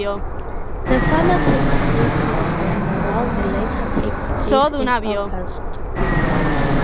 The former takes place in December while the latter takes place in August.